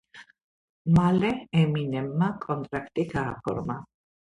მალე ემინემმა კონტრაქტი გააფორმა.